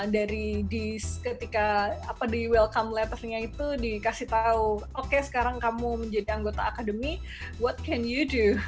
dari ketika di welcome letternya itu dikasih tahu oke sekarang kamu menjadi anggota akademi what can you to